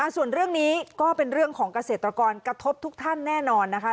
ส่วนเรื่องนี้ก็เป็นเรื่องของเกษตรกรกระทบทุกท่านแน่นอนนะคะ